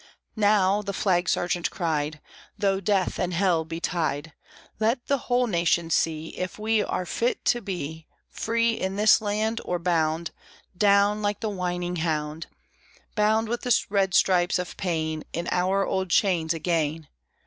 "Now," the flag sergeant cried, "Though death and hell betide, Let the whole nation see If we are fit to be Free in this land; or bound Down, like the whining hound, Bound with red stripes of pain In our old chains again!"